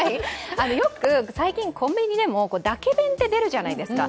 よく最近コンビニでも、だけ弁って出るじゃないですか。